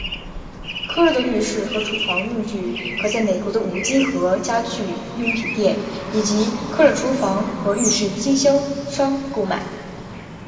科勒的浴室和厨房用具可在美国的五金和家居用品店以及科勒厨房和浴室经销商购买。